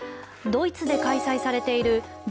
ドイツで開催されているＧ７